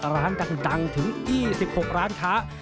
ร้านกันดังถึงอี้๑๖ร้านค้า